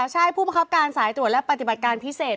ใช่ผู้บังคับการสายตรวจและปฏิบัติการพิเศษ